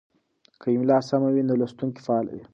که املا سمه وي نو لوستونکی فعاله وي.